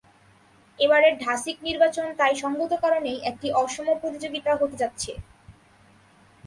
এবারের ঢাসিক নির্বাচন তাই সংগত কারণেই একটি অসম প্রতিযোগিতা হতে যাচ্ছে।